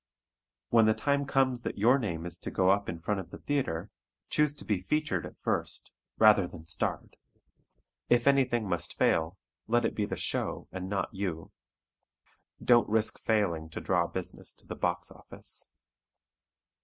When the time comes that your name is to go up in front of the theatre, choose to be featured at first rather than starred. If anything must fail, let it be the show, and not you. Don't risk failing to "draw business" to the box office.